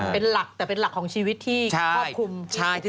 เป็นหลักแต่เป็นหลักของชีวิตที่